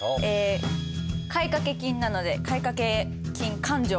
買掛金なので買掛金勘定を。